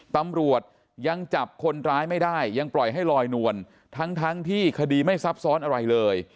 ตำรวจยังจับคนร้ายไม่ได้ยังปล่อยให้ลอยนวลทั้งทั้งที่คดีไม่ซับซ้อนอะไรเลย